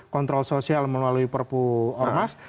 kontrol sosial melalui perpu ormas